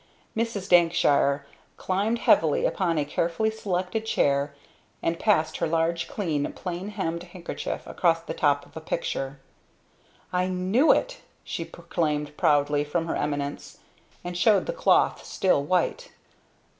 Mrs. Dankshire climbed heavily upon a carefully selected chair and passed her large clean plain hemmed handkerchief across the top of a picture. "I knew it!" she proclaimed proudly from her eminence, and showed the cloth still white.